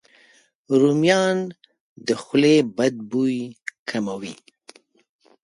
رومیان د خولې بد بوی کموي.